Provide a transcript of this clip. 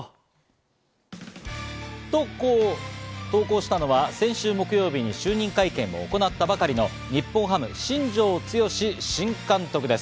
と投稿したのは先週木曜日に就任会見を行ったばかりの日本ハム・新庄剛志新監督です。